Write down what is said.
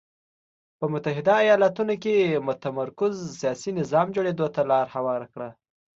په متحده ایالتونو کې متمرکز سیاسي نظام جوړېدو ته لار هواره کړه.